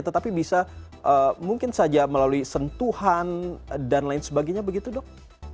tetapi bisa mungkin saja melalui sentuhan dan lain sebagainya begitu dok